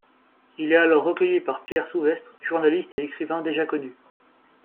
Il est alors recueilli par Pierre Souvestre, journaliste et écrivain déjà connu.